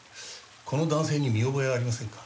この男性に見覚えはありませんか？